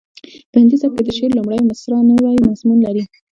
په هندي سبک کې د شعر لومړۍ مسره نوی مضمون لري